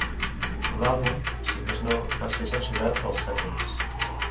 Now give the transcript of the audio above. L'àlbum, si més no, va ser censurat als Estats Units.